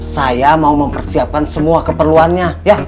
saya mau mempersiapkan semua keperluannya